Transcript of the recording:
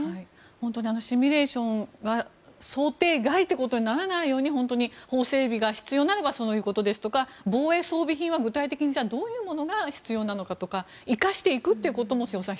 本当にシミュレーションが想定外ということにならないように本当に法整備が必要であればそういうことですとか防衛装備品は具体的にどういうものが必要なのかとか生かしていくっていうことも瀬尾さん